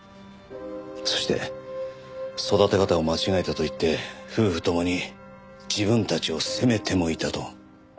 そして育て方を間違えたと言って夫婦共に自分たちを責めてもいたと。